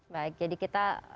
baik jadi kita